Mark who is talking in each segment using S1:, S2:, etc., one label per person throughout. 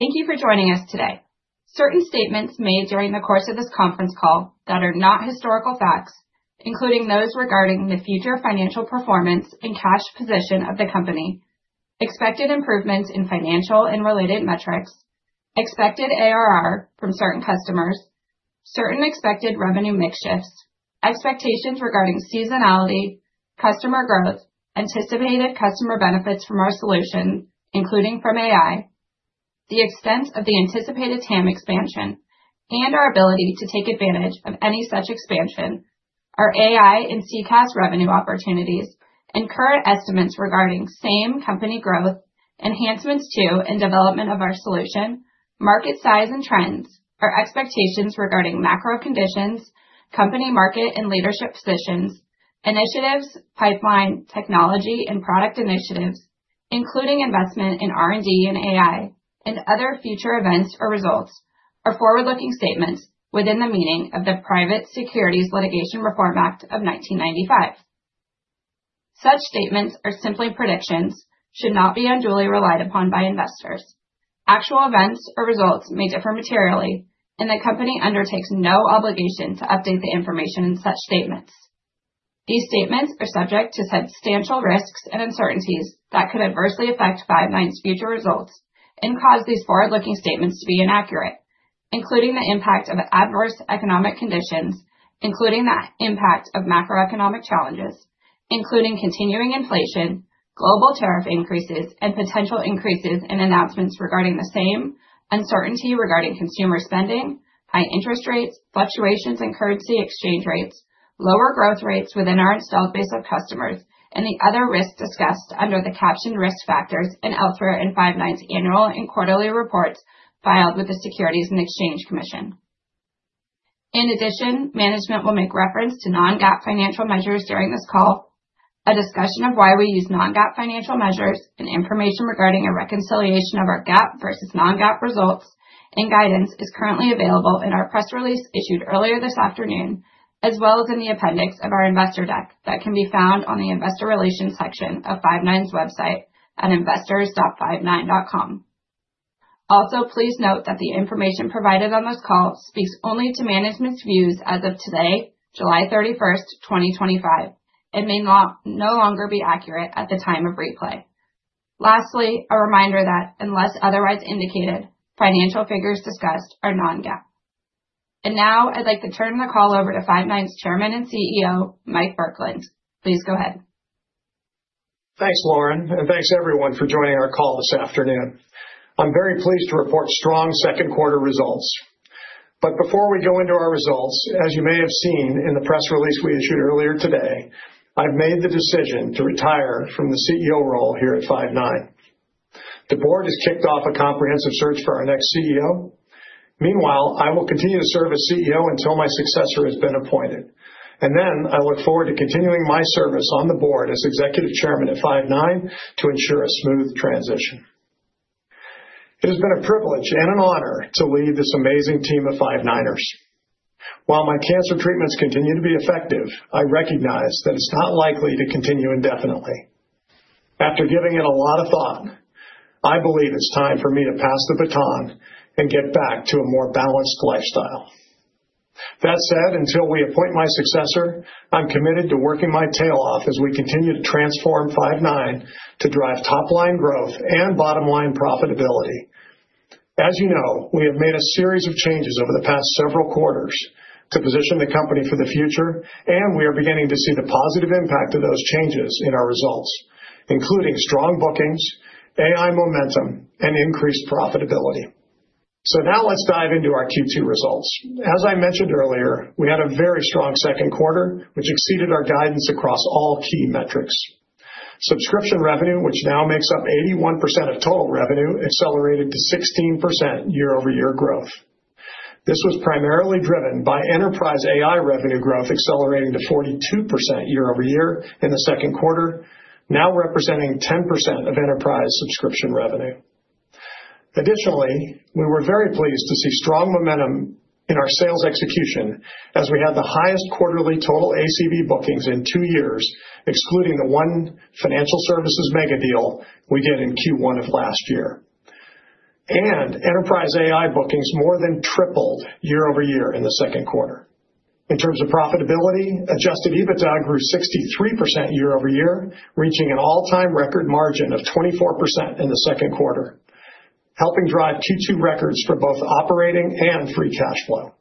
S1: Thank you for joining us today. Certain statements made during the course of this conference call that are not historical facts, including those regarding the future financial performance and cash position of the company, expected improvements in financial and related metrics, expected ARR from certain customers, certain expected revenue mix shifts, expectations regarding seasonality, customer growth, anticipated customer benefits from our solution, including from AI, the extent of the anticipated TAM expansion and our ability to take advantage of any such expansion, our AI and CCaaS revenue opportunities and current estimates regarding same company growth, enhancements to and development of our solution, market size and trends, our expectations regarding macro conditions, company market and leadership positions, initiatives, pipeline, technology and product initiatives, including investment in R&D and AI, and other future events or results, are forward-looking statements within the meaning of the Private Securities Litigation Reform Act of 1995. Such statements are simply predictions and should not be unduly relied upon by investors. Actual events or results may differ materially and the company undertakes no obligation to update the information in such statements. These statements are subject to substantial risks and uncertainties that could adversely affect Five9's future results and cause these forward-looking statements to be inaccurate, including the impact of adverse economic conditions, including the impact of macroeconomic challenges, including continuing inflation, global tariff increases and potential increases in announcements regarding the same, uncertainty regarding consumer spending, high interest rates, fluctuations in currency exchange rates, lower growth rates within our installed base of customers, and the other risks discussed under the captioned risk factors and elsewhere in Five9's annual and quarterly reports filed with the Securities and Exchange Commission. In addition, management will make reference to non-GAAP financial measures during this call. A discussion of why we use non-GAAP financial measures and information regarding a reconciliation of our GAAP versus non-GAAP results and guidance is currently available in our press release issued earlier this afternoon as well as in the appendix of our Investor Deck that can be found on the Investor Relations section of Five9's website at investors.five9.com. Also, please note that the information provided on this call speaks only to management's views as of today, July 31, 2025, and may no longer be accurate at the time of replay. Lastly, a reminder that unless otherwise indicated, financial figures discussed are non-GAAP. Now I'd like to turn the call over to Five9's Chairman and CEO, Mike Burkland. Please go ahead.
S2: Thanks, Lauren, and thanks everyone for joining our call this afternoon. I'm very pleased to report strong second quarter results. Before we go into our results, as you may have seen in the press release we issued earlier today, I've made the decision to retire from the CEO role here at Five9. The Board has kicked off a comprehensive search for our next CEO. Meanwhile, I will continue to serve as CEO until my successor has been appointed, and then I look forward to continuing my service on the Board as Executive Chairman at Five9 to ensure a smooth transition. It has been a privilege and an honor to lead this amazing team of Five9ers. While my cancer treatments continue to be effective, I recognize that it's not likely to continue indefinitely. After giving it a lot of thought, I believe it's time for me to pass the baton and get back to a more balanced lifestyle. That said, until we appoint my successor, I'm committed to working my tail off as we continue to transform Five9 to drive top line growth and bottom line profitability. As you know, we have made a series of changes over the past several quarters to position the company for the future, and we are beginning to see the positive impact of those changes in our results, including strong bookings, AI momentum, and increased profitability. Now let's dive into our Q2 results. As I mentioned earlier, we had a very strong second quarter which exceeded our guidance across all key metrics. Subscription revenue, which now makes up 81% of total revenue, accelerated to 16% year-over-year growth. This was primarily driven by Enterprise AI revenue growth accelerating to 42% year-over-year in the second quarter, now representing 10% of enterprise subscription revenue. Additionally, we were very pleased to see strong momentum in our sales execution as we had the highest quarterly total ACV bookings in two years, excluding the one financial services megadeal we did in Q1 of last year, and Enterprise AI bookings more than tripled year-over-year in the second quarter. In terms of profitability, adjusted EBITDA grew 63% year-over-year, reaching an all-time record margin of 24% in the second quarter, helping drive Q2 records for both operating and free cash flow.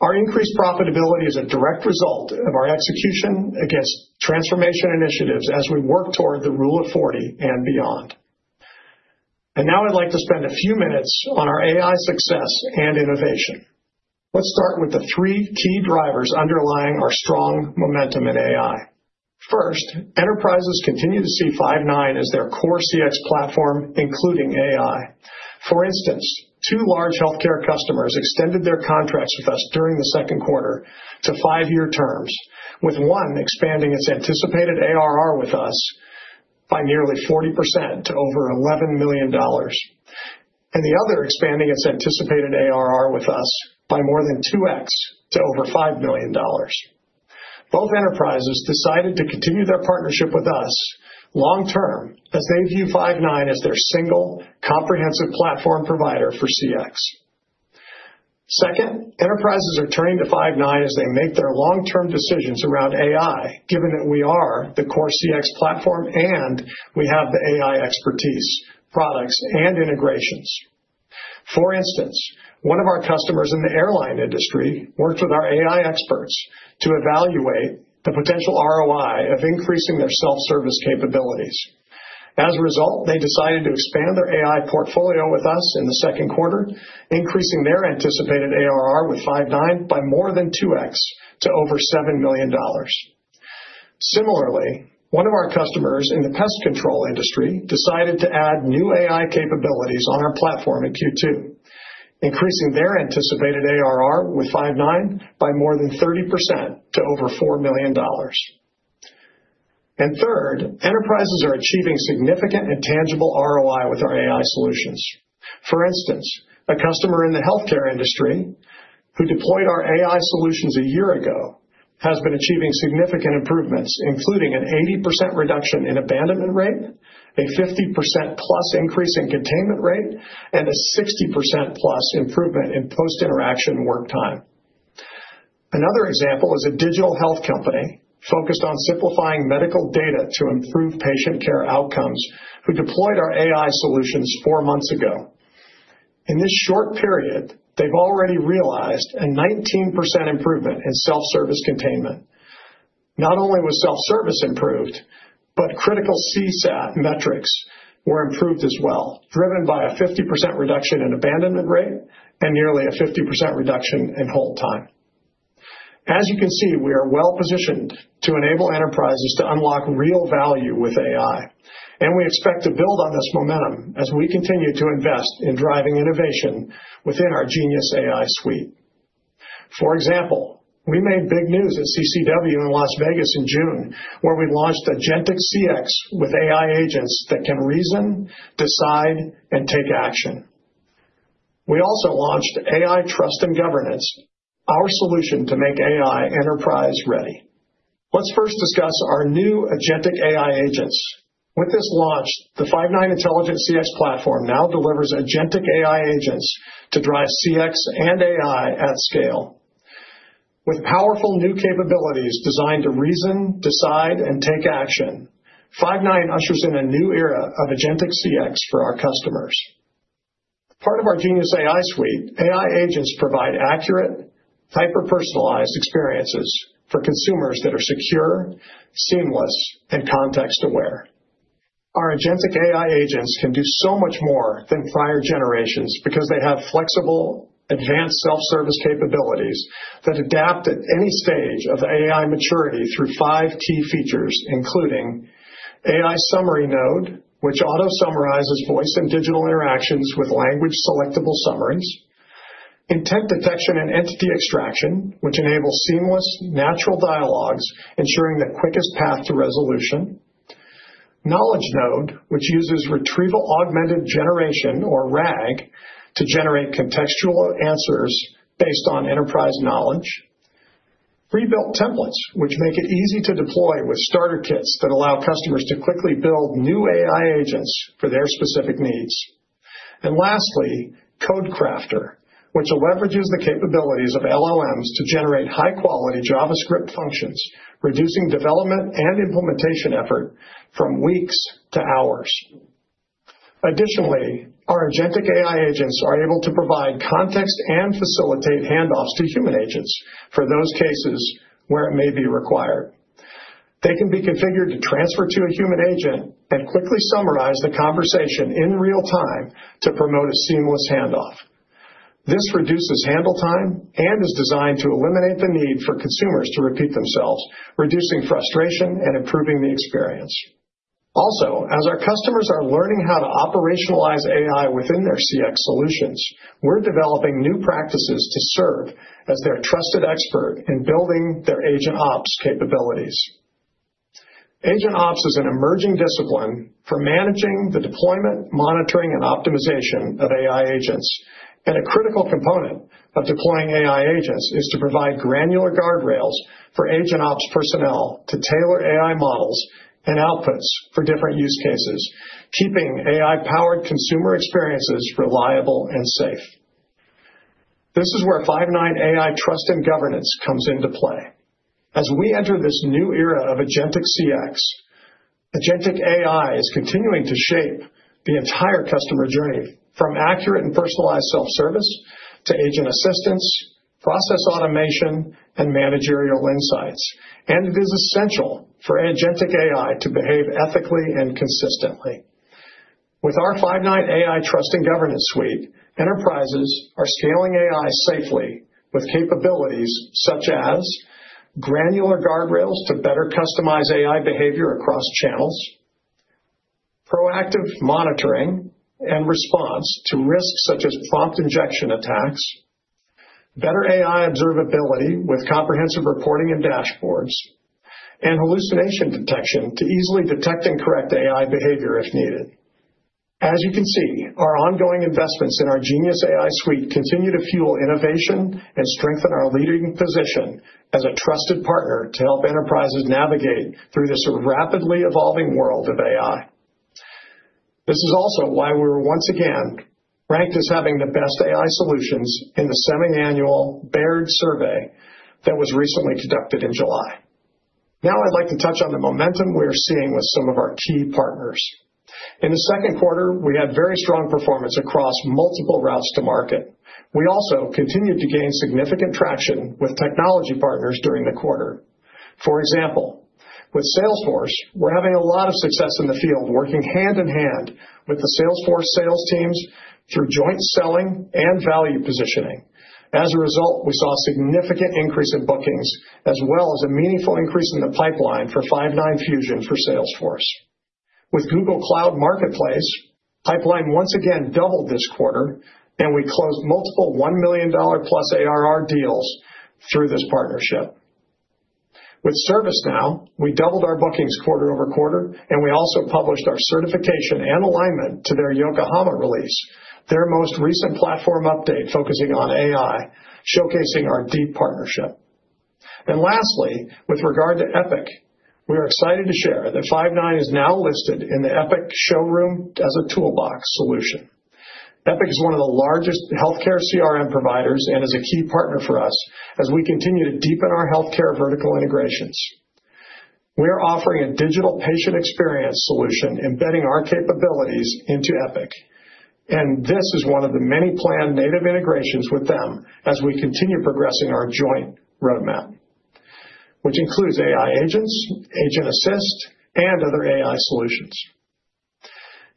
S2: Our increased profitability is a direct result of our execution against transformation initiatives as we work toward the Rule of 40 and beyond. I'd like to spend a few minutes on our AI success and innovation. Let's start with the three key drivers underlying our strong momentum in AI. First, enterprises continue to see Five9 as their core CX platform, including AI. For instance, two large healthcare customers extended their contracts with us during the second quarter to five-year terms, with one expanding its anticipated ARR with us by nearly 40% to over $11 million and the other expanding its anticipated ARR with us by more than 2x to over $5 million. Both enterprises decided to continue their partnership with us long term as they view Five9 as their single comprehensive platform provider for CX. Second, enterprises are turning to Five9 as they make their long-term decisions around AI given that we are the core CX platform and we have the AI expertise, products, and integrations. For instance, one of our customers in the airline industry worked with our AI experts to evaluate the potential ROI of increasing their self-service capabilities. As a result, they decided to expand their AI portfolio with us in the second quarter, increasing their anticipated ARR with Five9 by more than 2x to over $7 million. Similarly, one of our customers in the pest control industry decided to add new AI capabilities on our platform in Q2, increasing their anticipated ARR with Five9 by more than 30% to over $4 million. Third, enterprises are achieving significant and tangible ROI with our AI solutions. For instance, a customer in the healthcare industry who deployed our AI solutions a year ago has been achieving significant improvements, including an 80% reduction in abandonment rate, a 50%+ increase in containment rate, and a 60%+ improvement in post-interaction work time. Another example is a digital health company focused on simplifying medical data to improve patient care outcomes who deployed our AI solutions four months ago. In this short period, they've already realized a 19% improvement in self-service containment. Not only was self-service improved, but critical CSAT metrics were improved as well, driven by a 50% reduction in abandonment rate and nearly a 50% reduction in hold time. As you can see, we are well-positioned to enable enterprises to unlock real value with AI, and we expect to build on this momentum as we continue to invest in driving innovation within our Genius AI Suite. For example, we made big news at CCW in Las Vegas in June where we launched Agentic CX within the Genius AI Suite that can reason, decide, and take action. We also launched AI Trust and Governance, our solution to make AI enterprise ready. Let's first discuss our new Agentic AI agents. With this launch, the Five9 intelligent CX platform now delivers Agentic AI agents to drive CX and AI at scale with powerful new capabilities designed to reason, decide, and take action. Five9 ushers in a new era of Agentic CX for our customers. Part of our Genius AI Suite, AI agents provide accurate, hyper-personalized experiences for consumers that are secure, seamless, and context aware. Our Agentic AI agents can do so much more than prior generations because they have flexible, advanced self-service capabilities that adapt at any stage of AI maturity through five key features, including AI Summary Node, which auto summarizes voice and digital interactions with language-selectable summaries; intent detection and entity extraction, which enable seamless, natural dialogues ensuring the quickest path to resolution; Knowledge Node, which uses retrieval augmented generation, or RAG, to generate contextual answers based on enterprise knowledge; pre-built templates, which make it easy to deploy with starter kits that allow customers to quickly build new AI agents for their specific needs; and lastly, CodeCrafter, which leverages the capabilities of LLMs to generate high-quality JavaScript functions, reducing development and implementation effort from weeks to hours. Additionally, our Agentic AI agents are able to provide context and facilitate handoffs to human agents for those cases where it may be required. They can be configured to transfer to a human agent and quickly summarize the conversation in real time to promote a seamless handoff. This reduces handle time and is designed to eliminate the need for consumers to repeat themselves, reducing frustration and improving the experience. Also, as our customers are learning how to operationalize AI within their CX solutions, we're developing new practices to serve as their trusted expert in building their Agent Ops capabilities. Agent Ops is an emerging discipline for managing the deployment, monitoring, and optimization of AI agents, and a critical component of deploying AI agents is to provide granular guardrails for Agent Ops personnel to tailor AI models and outputs for different use cases, keeping AI-powered consumer experiences reliable and safe. This is where Five9 AI Trust and Governance comes into play as we enter this new era of Agentic CX. Agentic AI is continuing to shape the entire customer journey from accurate and personalized self-service to agent assistance, process automation, and managerial insights, and it is essential for Agentic AI to behave ethically and consistently with our Five9 AI Trust and Governance solutions. Enterprises are scaling AI safely with capabilities such as granular guardrails to better customize AI behavior across channels, proactive monitoring and response to risks such as prompt injection attacks, better AI observability with comprehensive reporting and dashboards, and hallucination detection to easily detect and correct AI behavior if needed. As you can see, our ongoing investments in our Genius AI Suite continue to fuel innovation and strengthen our leading position as a trusted partner to help enterprises navigate through this rapidly evolving world of AI. This is also why we're once again ranked as having the best AI solutions in the semiannual Baird survey that was recently conducted in July. Now I'd like to touch on the momentum we are seeing with some of our key partners. In the second quarter, we had very strong performance across multiple routes to market. We also continued to gain significant traction with technology partners during the quarter. For example, with Salesforce, we're having a lot of success in the field working hand in hand with the Salesforce sales team through joint selling and value positioning. As a result, we saw a significant increase in bookings as well as a meaningful increase in the pipeline for Five9 Fusion for Salesforce. With Google Cloud Marketplace, pipeline once again doubled this quarter, and we closed multiple $1+ million ARR deals through this partnership. With ServiceNow, we doubled our bookings quarter over quarter, and we also published our certification and alignment to their Yokohama release, their most recent platform update focusing on AI, showcasing our deep partnership. Lastly, with regard to Epic, we are excited to share that Five9 is now listed in the Epic Showroom as a toolbox solution. Epic is one of the largest healthcare CRM providers and is a key partner for us as we continue to deepen our healthcare vertical integrations. We are offering a digital patient experience solution embedding our capabilities into Epic, and this is one of the many planned native integrations with them as we continue progressing our joint roadmap, which includes AI agents, Agent Assist, and other AI solutions.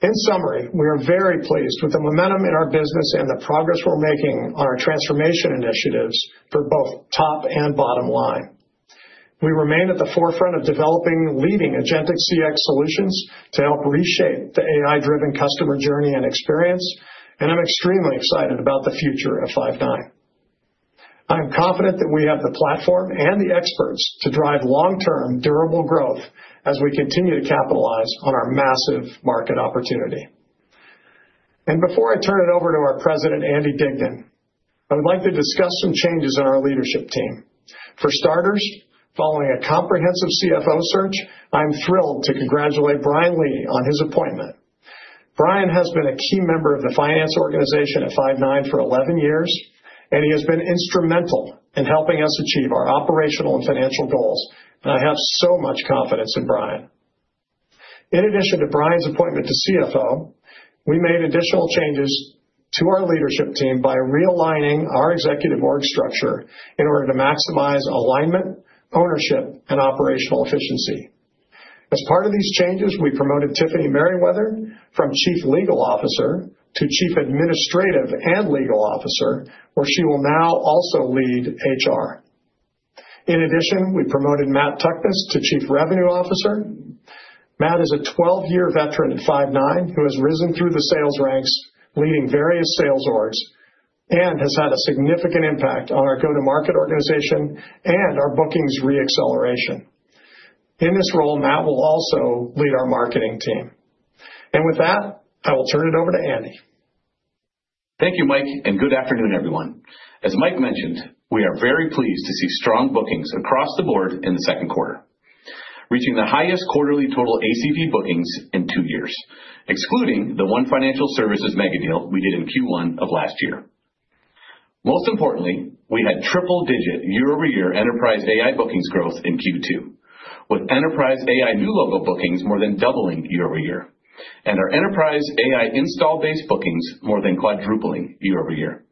S2: In summary, we are very pleased with the momentum in our business and the progress we're making on our transformation initiatives for both top and bottom line. We remain at the forefront of developing leading Agentic CX solutions to help reshape the AI-powered customer journey and experience, and I'm extremely excited about the future of Five9. I am confident that we have the platform and the experts to drive long term durable growth as we continue to capitalize on our massive market opportunity. Before I turn it over to our President Andy Dignan, I would like to discuss some changes in our leadership team. For starters, following a comprehensive CFO search, I am thrilled to congratulate Bryan Lee on his appointment. Bryan has been a key member of the finance organization at Five9 for 11 years and he has been instrumental in helping us achieve our operational and financial goals, and I have so much confidence in Bryan. In addition to Bryan's appointment to CFO, we made additional changes to our leadership team by realigning our executive org structure in order to maximize alignment, ownership, and operational efficiency. As part of these changes, we promoted Tiffany Meriwether from Chief Legal Officer to Chief Administrative and Legal Officer, where she will now also lead HR. In addition, we promoted Matt Tuckness to Chief Revenue Officer. Matt is a 12-year veteran at Five9 who has risen through the sales ranks leading various sales orgs and has had a significant impact on our go-to-market organization and our bookings re-acceleration. In this role, Matt will also lead our marketing team, and with that I will turn it over to Andy.
S3: Thank you, Mike, and good afternoon, everyone. As Mike mentioned, we are very pleased to see strong bookings across the board in the second quarter, reaching the highest quarterly total ACV bookings in two years, excluding the one financial services megadeal we did in Q1 of last year. Most importantly, we had triple-digit year-over-year Enterprise AI bookings growth in Q2, with Enterprise AI new logo bookings more than doubling year-over-year and our Enterprise AI install base bookings more than quadrupling year-over-year.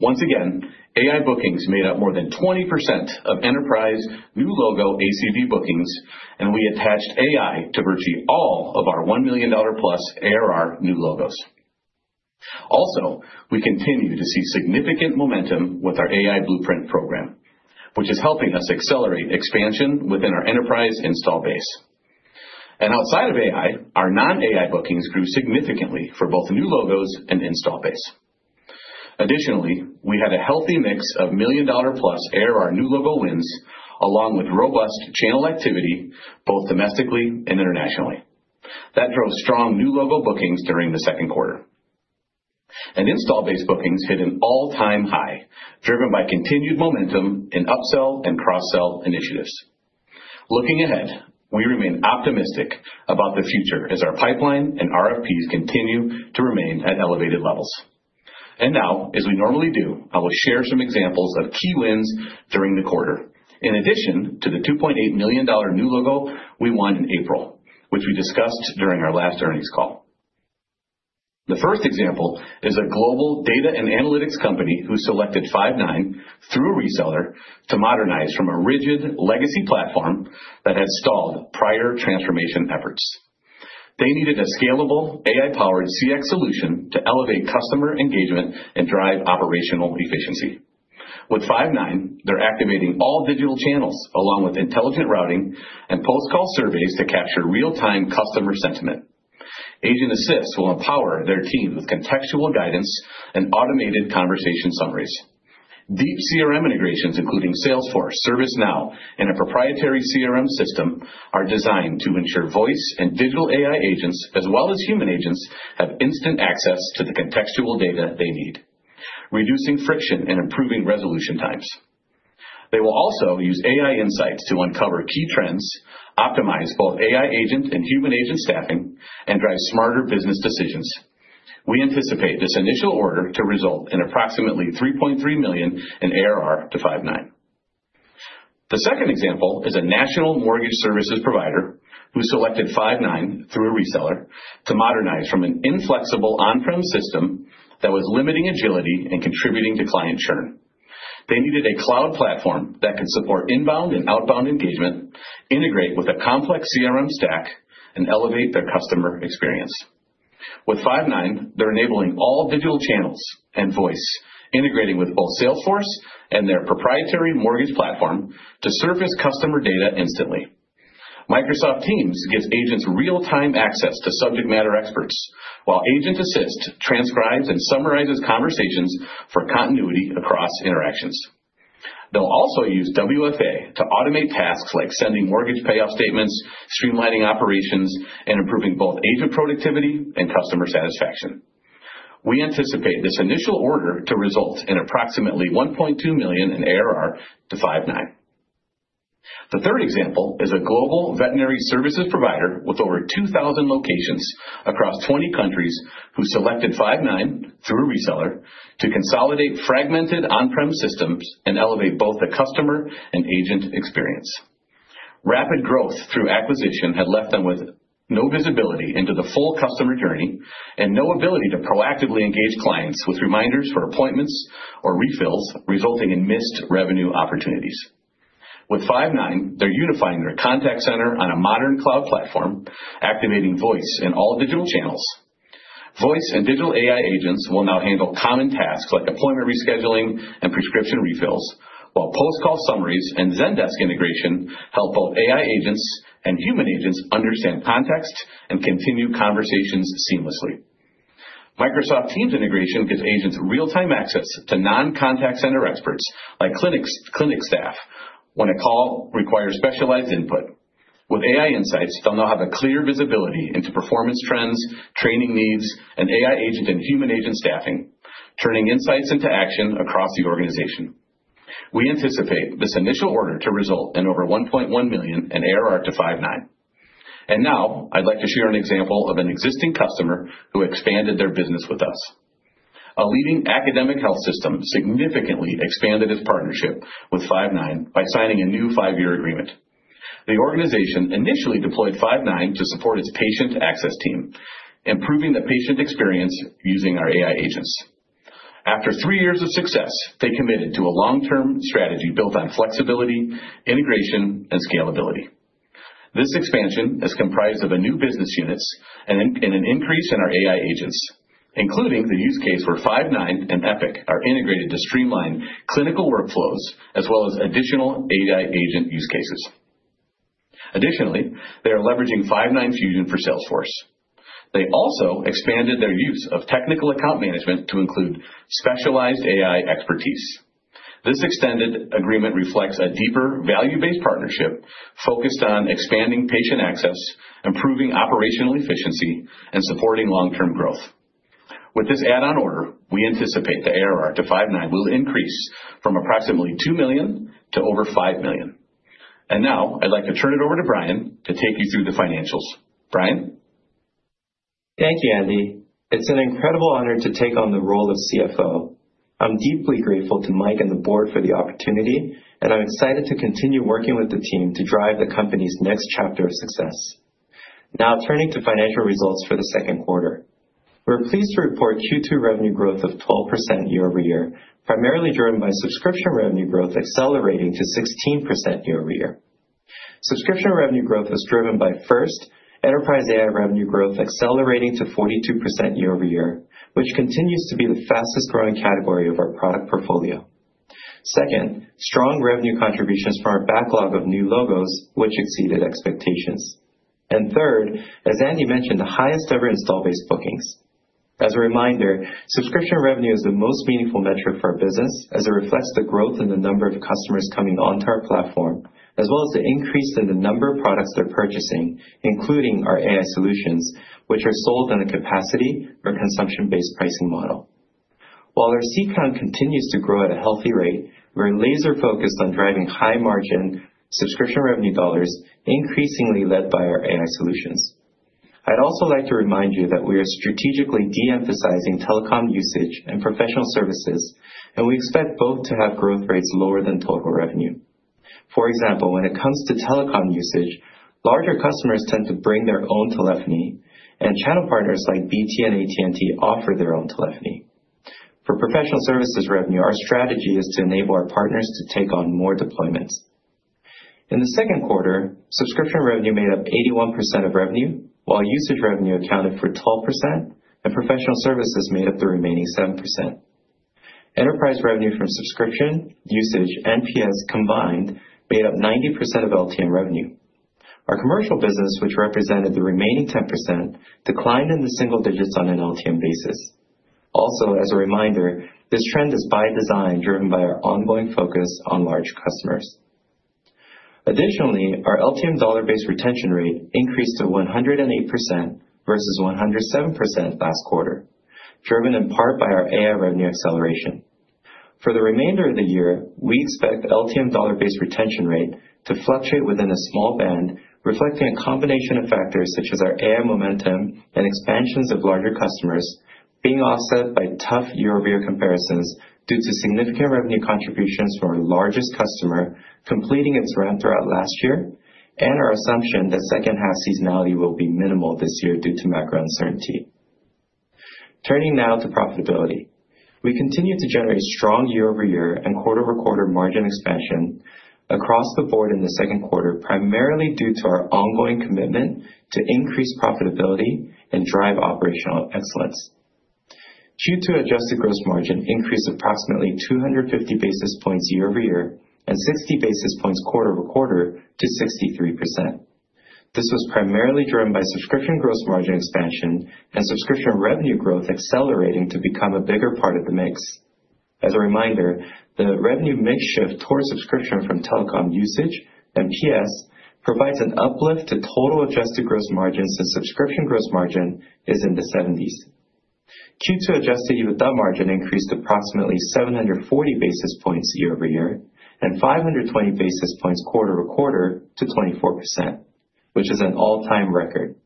S3: Once again, AI bookings made up more than 20% of enterprise new logo ACV bookings, and we attached AI to virtually all of our $1+million ARR new logos. Also, we continue to see significant momentum with our AI Blueprint program, which is helping us accelerate expansion within our enterprise install base and outside of AI. Our non-AI bookings grew significantly for both new logos and install base. Additionally, we had a healthy mix of $1+ million ARR new logo wins along with robust channel activity both domestically and internationally that drove strong new logo bookings during the second quarter, and install base bookings hit an all-time high driven by continued momentum in upsell and cross-sell initiatives. Looking ahead, we remain optimistic about the future as our pipeline and RFPs continue to remain at elevated levels. Now, as we normally do, I will share some examples of key wins during the quarter in addition to the $2.8 million new logo we won in April, which we discussed during our last earnings call. The first example is a global data and analytics company who selected Five9 through a reseller to modernize from a rigid legacy platform that has stalled prior transformation efforts. They needed a scalable AI-powered CX solution to elevate customer engagement and drive operational efficiency. With Five9, they're activating all digital channels along with intelligent routing and post-call surveys to capture real-time customer sentiment. Agent Assist will empower their team with contextual guidance and automated conversation summaries. Deep CRM integrations, including Salesforce, ServiceNow, and a proprietary CRM system, are designed to ensure voice and digital AI agents as well as human agents have instant access to the contextual data they need, reducing friction and improving resolution times. They will also use AI insights to uncover key trends, optimize both AI agent and human agent staffing, and drive smarter business decisions. We anticipate this initial order to result in approximately $3.3 million in ARR to Five9. The second example is a national mortgage services provider who selected Five9 through a reseller to modernize from an inflexible on-prem system that was limiting agility and contributing to client churn. They needed a cloud platform that could support inbound and outbound engagement, integrate with a complex CRM stack, and elevate their customer experience. With Five9, they're enabling all digital channels and voice, integrating with both Salesforce and their proprietary mortgage platform to surface customer data instantly. Microsoft Teams gives agents real-time access to subject matter experts while Agent Assist transcribes and summarizes conversations for continuity across interactions. They'll also use WFA to automate tasks like sending mortgage payoff statements, streamlining operations, and improving both agent and customer satisfaction. We anticipate this initial order to result in approximately $1.2 million in ARR to Five9. The third example is a global veterinary services provider with over 2,000 locations across 20 countries who selected Five9 through a reseller to consolidate fragmented on-prem systems and elevate both the customer and agent experience. Rapid growth through acquisition had left them with no visibility into the full customer journey and no ability to proactively engage clients with reminders for appointments or refills, resulting in missed revenue opportunities. With Five9, they're unifying their contact center on a modern cloud platform, activating voice in all digital channels. Voice and digital AI agents will now handle common tasks like appointment rescheduling and prescription refills, while post-call summaries and Zendesk integration help both AI agents and human agents understand context and continue conversations seamlessly. Microsoft Teams integration gives agents real-time access to non-contact center experts like clinic staff when a call requires specialized input. With AI insights, they'll now have clear visibility into performance trends, training needs, AI agent and human agent staffing, turning insights into action across the organization. We anticipate this initial order to result in over $1.1 million in ARR to Five9. Now I'd like to share an example of an existing customer who expanded their business with us. A leading academic health system significantly expanded its partnership with Five9 by signing a new five-year agreement. The organization initially deployed Five9 to support its patient access team, improving the patient experience using our AI agents. After three years of success, they committed to a long-term strategy built on flexibility, integration, and scalability. This expansion is comprised of new business units and an increase in our AI agents, including the use case where Five9 and Epic are integrated to streamline clinical workflows as well as additional AI agent use cases. Additionally, they are leveraging Five9 Fusion for Salesforce. They also expanded their use of technical account management to include specialized AI expertise. This extended agreement reflects a deeper value-based partnership focused on expanding patient access, improving operational efficiency, and supporting long-term growth. With this add-on order, we anticipate the ARR to Five9 will increase from approximately $2 million to over $5 million. Now I'd like to turn it over to Bryan to take you through the financials.
S4: Bryan, thank you Andy. It's an incredible honor to take on the role of CFO. I'm deeply grateful to Mike and the board for the opportunity, and I'm excited to continue working with the team to drive the company's next chapter of success. Now, turning to financial results for the second quarter, we're pleased to report Q2 revenue growth of 12% year-over-year, primarily driven by subscription revenue growth accelerating to 16% year-over-year. Subscription revenue growth was driven by, first, enterprise AI revenue growth accelerating to 42% year-over-year, which continues to be the fastest growing category of our product portfolio. Second, strong revenue contributions from our backlog of new logos, which exceeded expectations, and third, as Andy mentioned, the highest ever install base bookings. As a reminder, subscription revenue is the most meaningful metric for our business as it reflects the growth in the number of customers coming onto our platform as well as the increase in the number of products they're purchasing, including our AI solutions, which are sold on a capacity or consumption-based pricing model. While our seat count continues to grow at a healthy rate, we're laser focused on driving high margin subscription revenue dollars, increasingly led by our AI solutions. I'd also like to remind you that we are strategically de-emphasizing telecom usage and professional services, and we expect both to have growth rates lower than total revenue. For example, when it comes to telecom usage, larger customers tend to bring their own telephony, and channel partners like BT and AT&T offer their own telephony. For professional services revenue, our strategy is to enable our partners to take on more deployments. In the second quarter, subscription revenue made up 81% of revenue, while usage revenue accounted for 12%, and professional services made up the remaining 7%. Enterprise revenue from subscription, usage, and PS combined made up 90% of LTM revenue. Our commercial business, which represented the remaining 10%, declined in the single digits on an LTM basis. Also, as a reminder, this trend is by design, driven by our ongoing focus on large customers. Additionally, our LTM dollar-based retention rate increased to 108% versus 107% last quarter, driven in part by our AI revenue acceleration. For the remainder of the year, we expect LTM dollar-based retention rate to fluctuate within a small band, reflecting a combination of factors such as our AI momentum and expansions of larger customers being offset by tough year-over-year comparisons due to significant revenue contributions from our largest customer completing its ramp last year and our assumption that second half seasonality will be minimal this year due to macro uncertainty. Turning now to profitability, we continue to generate strong year-over-year and quarter-over-quarter margin expansion across the board in the second quarter, primarily due to our ongoing commitment to increase profitability and drive operational excellence. Q2 adjusted gross margin increased approximately 250 basis points year-over-year and 60 basis points quarter-over-quarter to 63%. This was primarily driven by subscription gross margin expansion and subscription revenue growth accelerating to become a bigger part of the mix. As a reminder, the revenue mix shift towards subscription from telecom usage provides an uplift to total adjusted gross margin. Since subscription gross margin is in the 70s, Q2 adjusted EBITDA margin increased approximately 740 basis points year-over-year and 520 basis points quarter-over-quarter to 24%, which is an all-time record.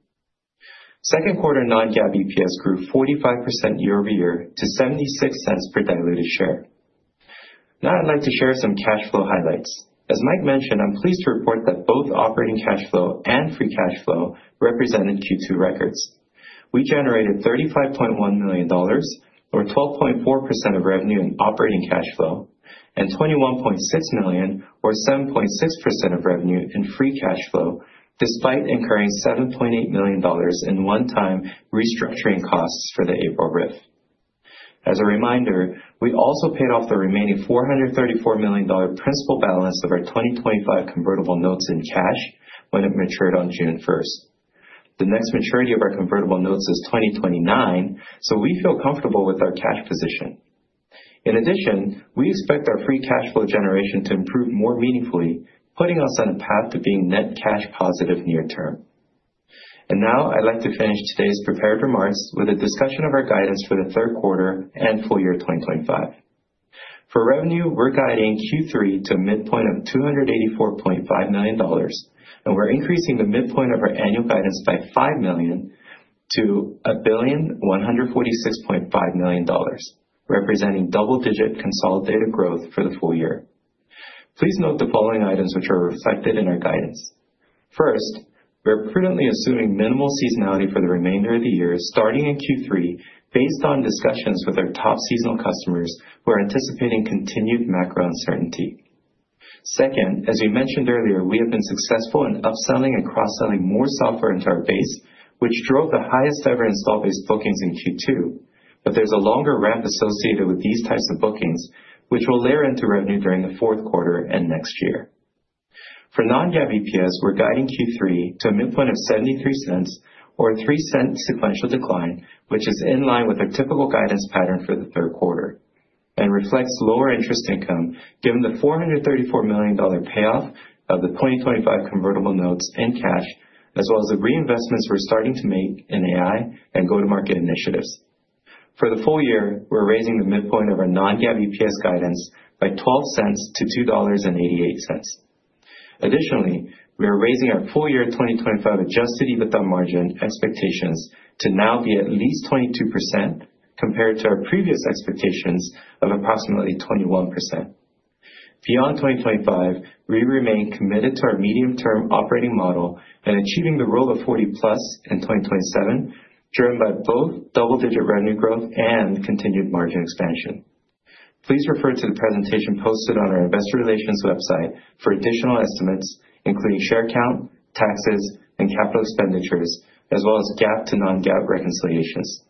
S4: Second quarter non-GAAP EPS grew 45% year-over-year to $0.76 per diluted share. Now I'd like to share some cash flow highlights. As Mike mentioned, I'm pleased to report that both operating cash flow and free cash flow represented Q2 records. We generated $35.1 million, or 12.4% of revenue, in operating cash flow and $21.6 million, or 7.6% of revenue, in free cash flow despite incurring $7.8 million in one-time restructuring costs for the April RIF. As a reminder, we also paid off the remaining $434 million principal balance of our 2025 convertible notes in cash when it matured on June 1. The next maturity of our convertible notes is 2029, so we feel comfortable with our cash position. In addition, we expect our free cash flow generation to improve more meaningfully, putting us on a path to being net cash positive near term. Now I'd like to finish today's prepared remarks with a discussion of our guidance for the third quarter and full year 2025. For revenue, we're guiding Q3 to a midpoint of $284.5 million, and we're increasing the midpoint of our annual guidance by $5 million to $1,146.5 million, representing double-digit consolidated growth for the full year. Please note the following items which are reflected in our guidance. First, we're prudently assuming minimal seasonality for the remainder of the year starting in Q3 based on discussions with our top seasonal customers who are anticipating continued macro uncertainty. Second, as we mentioned earlier, we have been successful in upselling and cross-selling more software into our base, which drove the highest ever installed base bookings in Q2. There's a longer ramp associated with these types of bookings, which will layer into revenue during the fourth quarter and next year. For non-GAAP EPS, we're guiding Q3 to a midpoint of $0.73, or a $0.03 sequential decline, which is in line with our typical guidance pattern for the third quarter and reflects lower interest income, given the $434 million payoff of the 2025 convertible notes in cash, as well as the reinvestments we're starting to make in AI and go-to-market initiatives. For the full year, we're raising the midpoint of our non-GAAP EPS guidance by $0.12-$2.88. Additionally, we are raising our full year 2025 adjusted EBITDA margin expectations to now be at least 22% compared to our previous expectations of approximately 21%. Beyond 2025, we remain committed to our medium-term operating model and achieving the Rule of 40+ in 2027, driven by both double-digit revenue growth and continued margin expansion. Please refer to the presentation posted on our Investor Relations website for additional estimates including share count, taxes, and capital expenditures, as well as GAAP to non-GAAP reconciliations.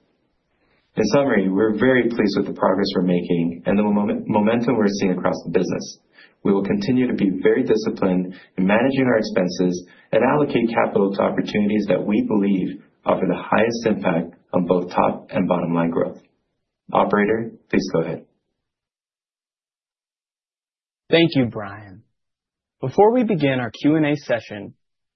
S4: In summary, we're very pleased with the progress we're making and the momentum we're seeing across the business. We will continue to be very disciplined in managing our expenses and allocate capital to opportunities that we believe offer the highest impact on both top and bottom line growth. Operator, please go. Thank you, Bryan.
S5: Before we begin our Q&A session,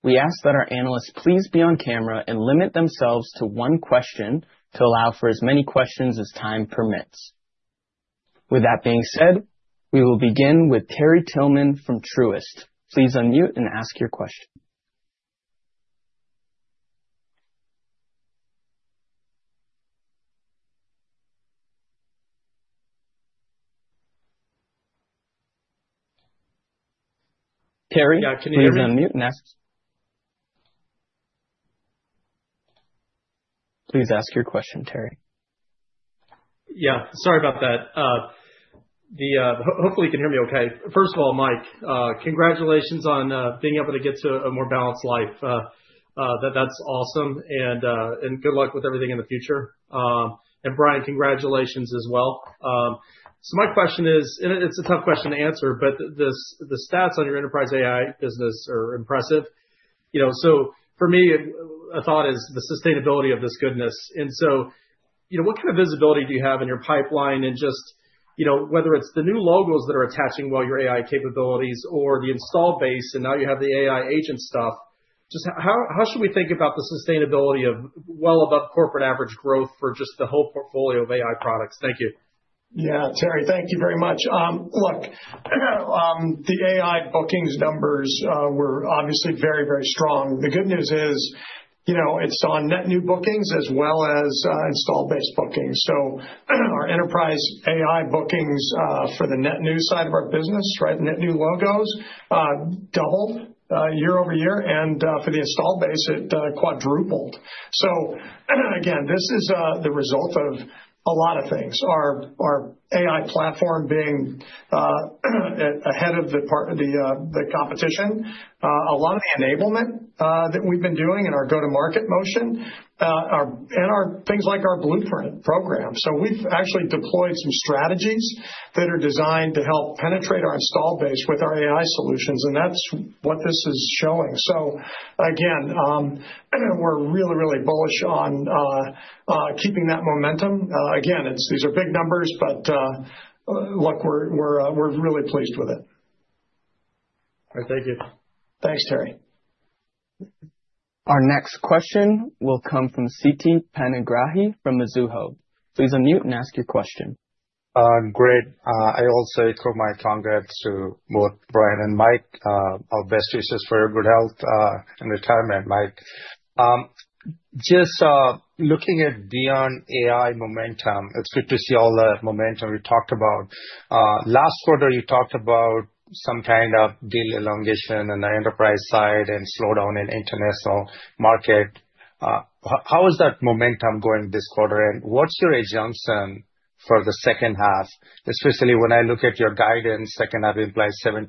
S5: we ask that our analysts please be on camera and limit themselves to one question to allow for as many questions as time permits. With that being said, we will begin with Terrell Frederick Tillman from Truist. Please unmute and ask your question. Terry, can you unmute and ask please. Ask your question, Terry.
S6: Sorry about that. Hopefully you can hear me. Okay. First of all, Mike, congratulations on being able to get to a more balanced life. That's awesome and good luck with everything in the future. And Bryan, congratulations as well. My question is, it's a tough question to answer, but the stats on your enterprise AI business are impressive. For me, a thought is the sustainability of this goodness. What kind of visibility do you have in your pipeline? Whether it's the new logos. That are attaching well your AI capabilities the installed base and now you. Have the AI agent stuff. Just how should we think about the sustainability of well above corporate average growth for just the whole portfolio of AI products? Thank you.
S2: Yeah, Terry, thank you very much. Look, the AI bookings numbers were obviously very, very strong. The good news is, you know, it's on net new bookings as well as install base bookings. Our enterprise AI bookings for the net new side of our business, net new logos, doubled year-over-year and for the install base it quadrupled. This is the result of a lot of things: our AI platform being ahead of the competition, a lot of the enablement that we've been doing in our go-to-market motion, and things like our blueprint program. We've actually deployed some strategies that are designed to help penetrate our installed base with our AI solutions and that's what this is showing. We're really, really bullish on keeping that momentum. These are big numbers but look, we're really pleased with it.
S6: All right, thank you.
S2: Thanks, Terry.
S5: Our next question will come from Siti Panigrahi from Mizuho. Please unmute and ask your question.
S7: Great. I also echo my congrats to both Bryan and Mike. Our best wishes for your good health and retirement. Mike, just looking at beyond AI momentum, it's good to see all the momentum we talked about last quarter. You talked about some kind of deal elongation on the enterprise side and slowdown in international market. How is that momentum going this quarter, and what's your assumption for the second half? Especially when I look at your guidance, second half implies 7%-8%.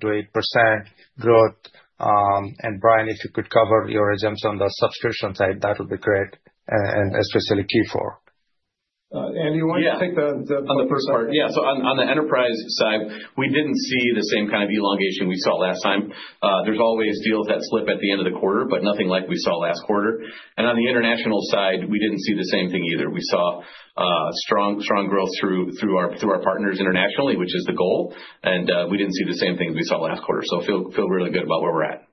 S7: Bryan, if you could cover your exemption on the subscription side, that would be great, especially Q4.
S4: Andy ,you want to take the first part.
S3: On the enterprise side, we didn't see the same kind of elongation we saw last time. There are always deals that slip at the end of the quarter, but nothing like we saw last quarter. On the international side, we didn't see the same thing either. We saw strong growth through our partners internationally, which is the goal. We didn't see the same things we saw last quarter, so feel really good about where we're at.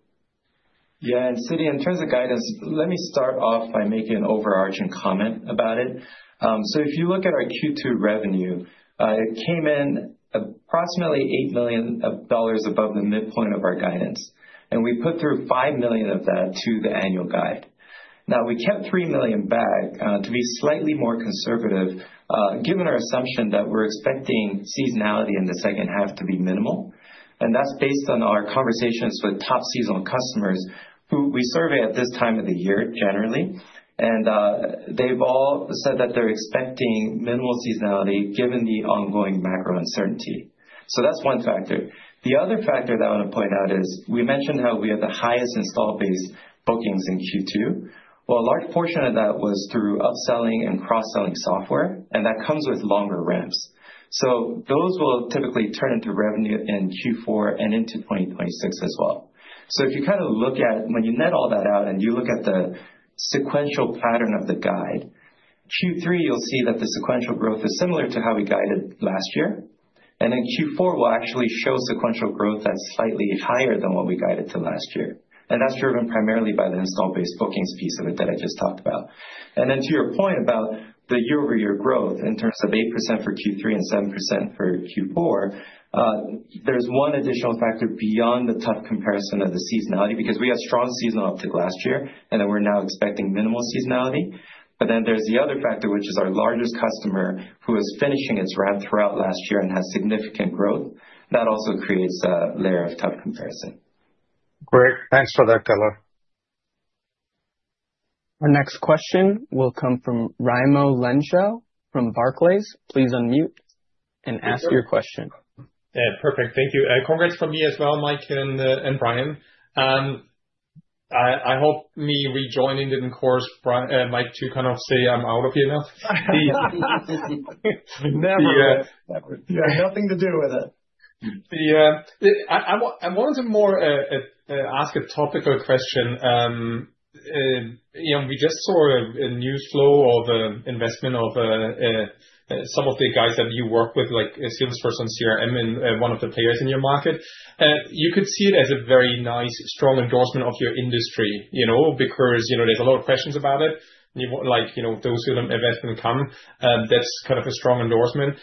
S4: Yeah. In terms of guidance, let me start off by making an overarching comment about it. If you look at our Q2 revenue, it came in approximately $8 million above the midpoint of our guidance. We put through $5 million of that to the annual guide. We kept $3 million back to be slightly more conservative given our assumption that we're expecting seasonality in the second half to be minimal. That's based on our conversations with top seasonal customers who we survey at this time of the year generally. They've all said that they're expecting minimal seasonality given the ongoing macro uncertainty. That's one factor. The other factor that I want to point out is we mentioned how we have the highest installed base bookings in Q2. A large portion of that was through upselling and cross selling software, and that comes with longer ramps. Those will typically turn into revenue in Q4 and into 2026 as well. If you kind of look at when you net all that out and you look at the sequential pattern of the guide Q3, you'll see that the sequential growth is similar to how we guided last year. Q4 will actually show sequential growth that's slightly higher than what we guided to last year. That's driven primarily by the installed base bookings piece of it that I just talked about. To your point about the year-over-year growth in terms of 8% for Q3 and 7% for Q4, there's one additional factor beyond the tough comparison of the seasonality because we had strong seasonal uptick last year and we're now expecting minimal seasonality. There's the other factor which is our largest customer who is finishing its ramp throughout last year and has significant growth that also creates a layer of top comparison.
S7: Great, thanks for that, Kelly.
S5: Our next question will come from Raimo Lenschow from Barclays. Please unmute and ask your question.
S8: Perfect. Thank you. Congrats from me as well, Mike and Bryan. I hope me rejoining didn't cause Mike to kind of say, I'm out of here now.
S2: Nothing to do with it.
S8: I wanted to more ask a topical question. We just saw a news flow of investment of some of the guys that you work with, like Salesforce, CRM, and. One of the players in your market, you could see it as a very nice, strong endorsement of your industry because there's a lot of questions about it. Like, those investments come. That's kind of a strong endorsement.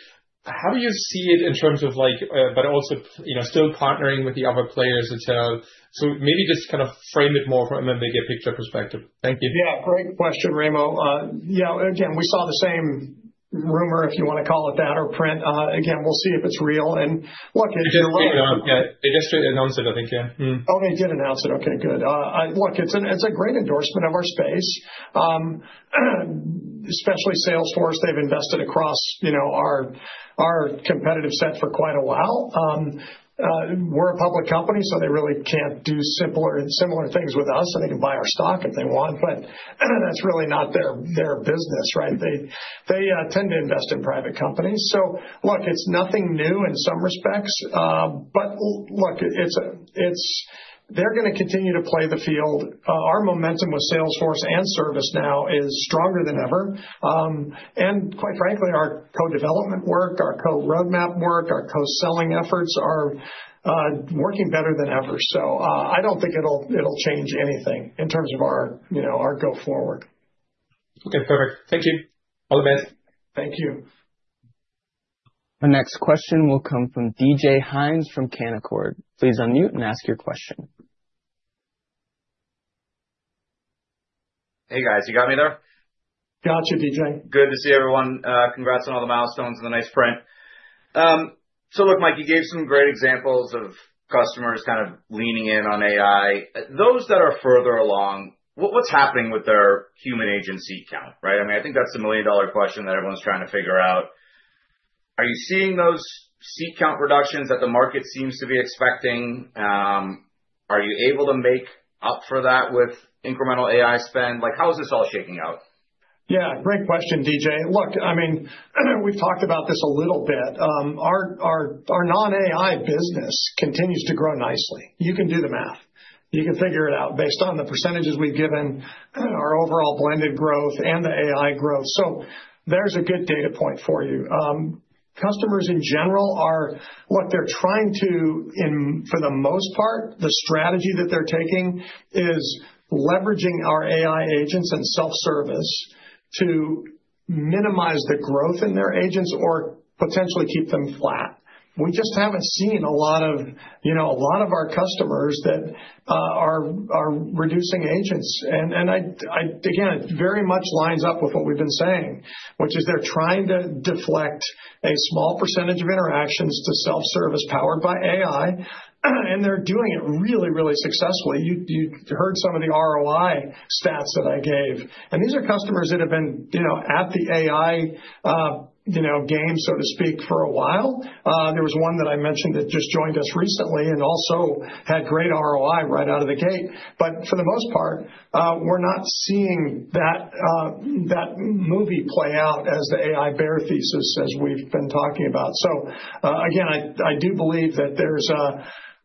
S8: How do you see it in terms of like, you know, still partnering with the other players itself. Maybe just kind of frame it more from a bigger picture perspective. Thank you.
S2: Great question, Remo. We saw the same rumor, if you want to call it that, or print. We'll see if it's real.
S8: They just announced it, I think. Yeah.
S2: Oh, they did announce it. Okay, good. Look, it's a great endorsement of our space, especially Salesforce. They've invested across our competitive set for quite a while. We're a public company, so they really can't do similar things with us. They can buy our stock if they want, but that's really not their business. They tend to invest in private companies. It's nothing new in some respects, but they're going to continue to play the field. Our momentum with Salesforce and ServiceNow is stronger than ever. Quite frankly, our co-development work, our co-roadmap work, and our co-selling efforts are working better than ever. I don't think it'll change anything in terms of our go forward.
S8: Okay, perfect. Thank you. All the best. Thank you.
S5: Our next question will come from DJ Hynes from Canaccord. Please unmute and ask your question.
S9: Hey guys, you got me there.
S2: Gotcha. DJ.
S9: Good to see everyone. Congrats on all the milestones and the nice print. Mike, you gave some great examples of customers kind of leaning in on AI. Those that are further along, what's happening with their human agency count, right? I mean, I think that's the million dollar question that everyone's trying to figure out. Are you seeing those seat count reductions that the market seems to be expecting? Are you able to make up for that with incremental AI spend? Like, how is this all shaking out?
S2: Yeah, great question, D.J. Look, I mean we've talked about this a little bit. Our non-AI business continues to grow nicely. You can do the math. You can figure it out based on the percentages we've given, our overall blended growth, and the AI growth. There's a good data point for you. Customers in general are, what they're trying to for the most part, the strategy that they're taking is leveraging our AI agents and self-service to minimize the growth in their agents or potentially keep them flat. We just haven't seen a lot of our customers that are reducing agents, and again, it very much lines up with what we've been saying, which is they're trying to deflect a small percentage of interactions to self-service powered by AI, and they're doing it really, really successfully. You heard some of the ROI stats that I gave, and these are customers that have been at the AI game, so to speak, for a while. There was one that I mentioned that just joined us recently and also had great ROI right out of the gate. For the most part, we're not seeing that movie play out as the AI bear thesis, as we've been talking about. I think, I do believe that there's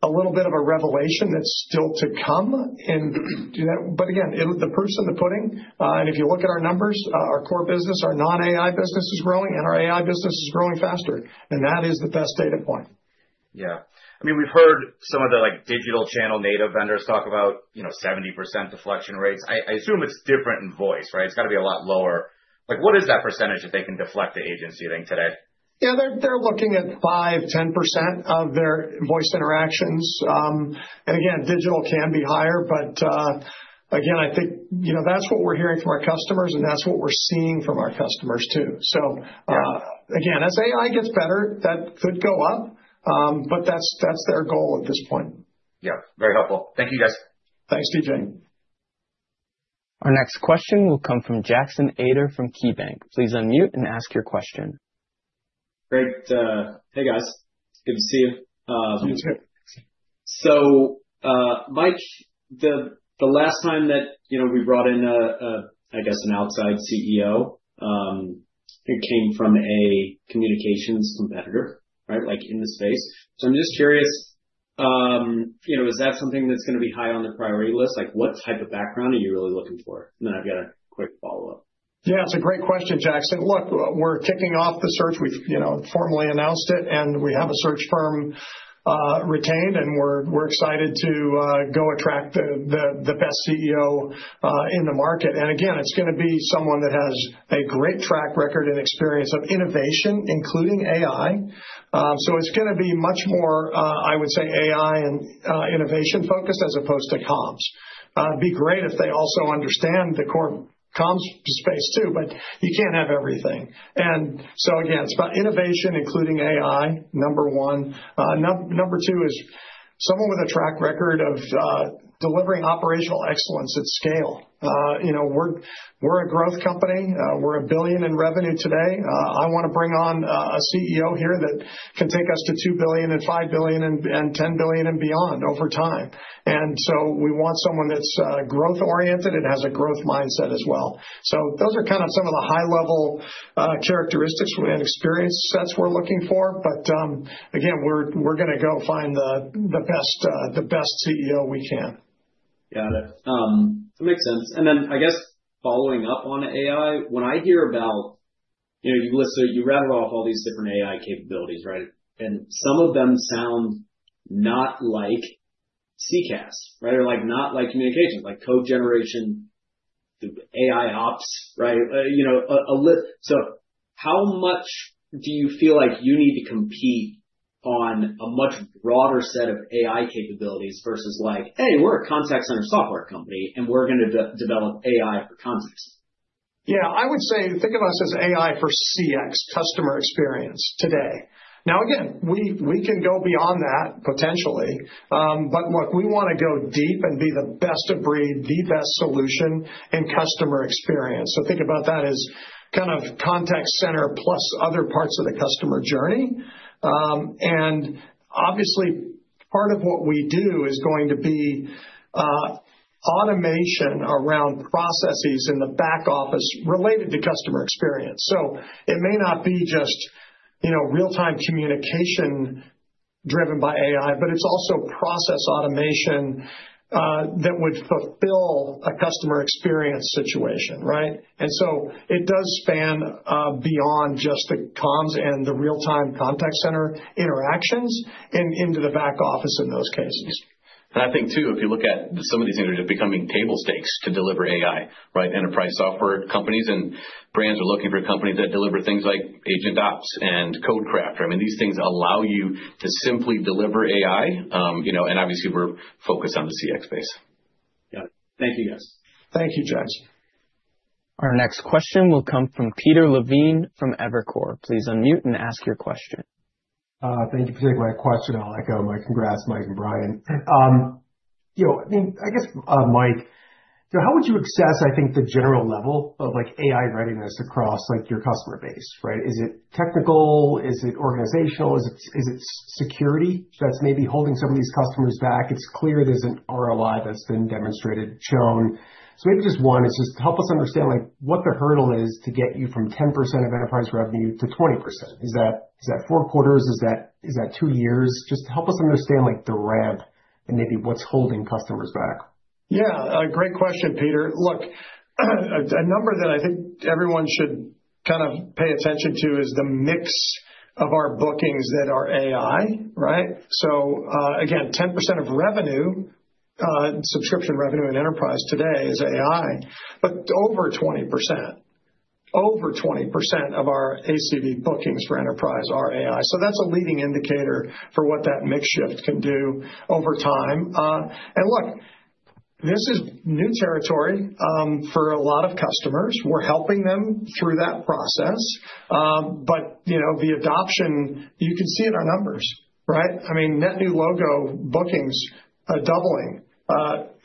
S2: a little bit of a revelation that's still to come. The proof's in the pudding. If you look at our numbers, our core business, our non-AI business is growing, and our AI business is growing faster. That is the best data point.
S9: Yeah, I mean we've heard some of the digital channel native vendors talk about, you know, 70% deflection rates. I assume it's different in voice. Right. It's got to be a lot lower. Like what is that percentage that they can deflect the agency thing today?
S2: Yeah, they're looking at 5%-10% of their voice interactions. Digital can be higher. I think that's what we're hearing from our customers and that's what we're seeing from our customers too. As AI gets better, that could go up, but that's their goal at this point.
S9: Yeah, very helpful. Thank you, guys.
S2: Thanks, DJ.
S5: Our next question will come from Jackson Edmund Ader from KeyBanc. Please unmute and ask your question.
S10: Great. Hey guys, good to see you. Mike, the last time that we brought in, I guess, an outside CEO, it came from a communications competitor in the space. I'm just curious, is that something that's going to be high on the priority list? What type of background are you really looking for? I've got a quick follow up.
S2: Yeah, it's a great question, Jackson. Look, we're kicking off the search. We've formally announced it, and we have a search firm retained, and we're excited to go attract the best CEO in the market. It's going to be someone that has a great track record and experience of innovation, including AI. It's going to be much more, I would say, AI and innovation focused as opposed to comms. It would be great if they also understand the core comms space too, but you can't have everything. It's about innovation, including AI, number one. Number two is someone with a track record of delivering operational excellence at scale. You know, we're a growth company, we're a billion in revenue today. I want to bring on a CEO here that can take us to $2 billion and $5 billion and $10 billion and beyond over time. We want someone that's growth oriented and has a growth mindset as well. Those are kind of some of the high level characteristics and experience sets we're looking for. We're going to go find the best CEO we can.
S10: Got it, makes sense. I guess following up on AI, when I hear about, you know, you rattled off all these different AI capabilities, right, and some of them sound not like CCaaS or like, not like communications, like code generation, AI ops, right. How much do you feel like you need to compete on a much broader set of AI capabilities versus like hey, we're a contact center software company, and we're going to develop AI for context.
S2: Yeah, I would say think of us as AI for CX customer experience today. Now again, we can go beyond that potentially. Look, we want to go deep and be the best of breed, the best solution in customer experience. Think about that as kind of contact center plus other parts of the customer journey. Obviously, part of what we do is going to be automation around processes in the back office related to customer experience. It may not be just real time communication driven by AI, but it's also process automation that would fulfill a customer experience situation. Right. It does span beyond just the comms and the real-time contact center interactions into the back office in those cases.
S3: If you look at some of these becoming table stakes to deliver AI, right, enterprise software companies and brands are looking for companies that deliver things like AgentOps and CodeCraft. These things allow you to simply deliver AI, you know, and obviously we're focused on the CX space.
S10: Thank you, guys.
S2: Thank you.
S5: Our next question will come from Peter Levine from Evercore. Please unmute and ask your question.
S11: Thank you for taking my question. I'll echo my congrats, Mike and Bryan. Mike, how would you assess, I think, the general level of AI readiness across your customer base? Is it technical, is it organizational, is it security that's maybe holding some of these customers back? It's clear there's an ROI that's been demonstrated, shown. Maybe just help us understand what the hurdle is to get you from 10% of enterprise revenue to 20%. Is that four quarters? Is that two years? Just help us understand the ramp and maybe what's holding customers back.
S2: Yeah, great question, Peter. Look, a number that I think everyone should kind of pay attention to is the mix of our bookings that are AI. Right. Again, 10% of subscription revenue in enterprise today is AI, but over 20% of our ACV bookings for enterprise are AI. That's a leading indicator for what that mix shift can do over time. This is new territory for a lot of customers. We're helping them through that process. The adoption, you can see in our numbers: net new logo bookings doubling,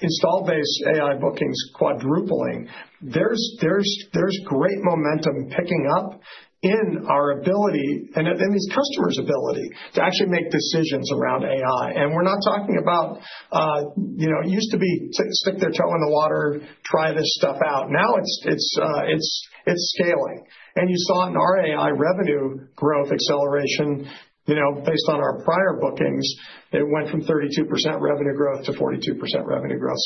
S2: install base AI bookings quadrupling. There's great momentum picking up in our ability and these customers' ability to actually make decisions around AI. We're not talking about it used to be stick their toe in the water, try this stuff out. Now it's scaling. You saw in our AI revenue growth acceleration based on our prior bookings; it went from 32% revenue growth to 42% revenue growth.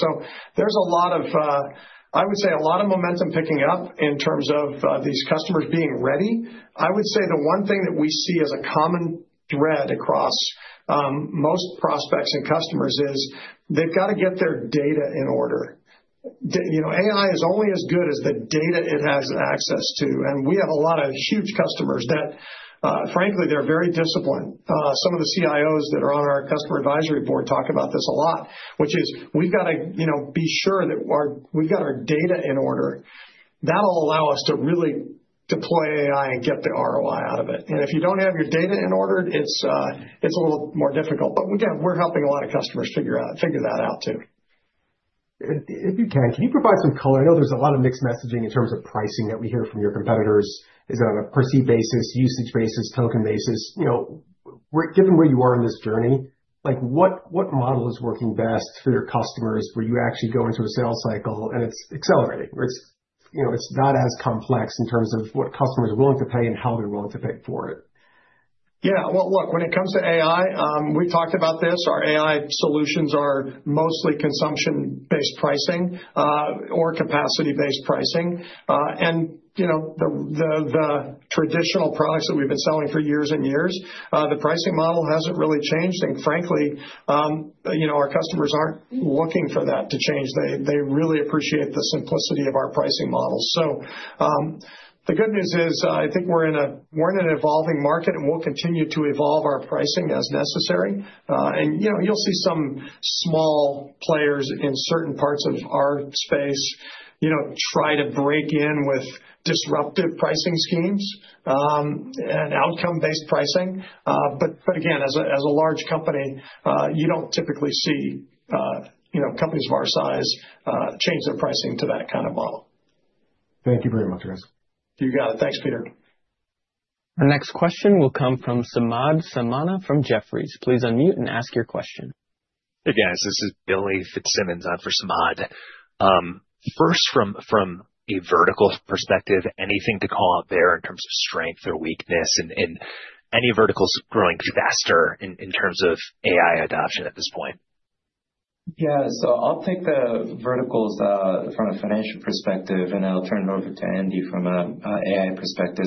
S2: There's a lot of momentum picking up in terms of these customers being ready. The one thing that we see as a common thread across most prospects and customers is they've got to get their data in order. AI is only as good as the data it has access to. We have a lot of huge customers that, frankly, they're very disciplined. Some of the CIOs that are on our customer advisory board talk about this a lot, which is we've got to be sure that we've got our data in order. That'll allow us to really deploy AI and get the ROI out of it. If you don't have your data in order, it's a little more difficult. We're helping a lot of customers figure that out too.
S11: If you can, can you provide some color? I know there's a lot of mixed messaging in terms of pricing that we hear from your competitors. Is it on a perceived basis, usage basis, token basis? Given where you are in this journey, what model is working best for your customers, where you actually go into a sales cycle, and it's accelerating. It's not as complex in terms of what customers are willing to pay. How they're willing to pay for it.
S2: When it comes to AI, we've talked about this. Our AI solutions are mostly consumption-based pricing or capacity-based pricing, and the traditional products that we've been selling for years and years, the pricing model hasn't really changed. Frankly, our customers aren't looking for that to change. They really appreciate the simplicity of our pricing model. The good news is I think we're in an evolving market, and we'll continue to evolve our pricing as necessary. You'll see some small players in certain parts of our space try to break in with disruptive pricing schemes and outcome-based pricing. Again, as a large company, you don't typically see companies of our size change their pricing to that kind of model.
S11: Thank you very much, guys. You got it.
S2: Thanks, Peter.
S5: Our next question will come from Samad Samana from Jefferies. Please unmute and ask your question.
S12: Hey guys, this is William Fitzsimmons on for Samad. First, from a vertical perspective, anything to call out there in terms of strength or weakness and any verticals growing faster in terms of AI adoption at this point?
S2: I'll take the verticals from a financial perspective and I'll turn it over to Andy from an AI perspective.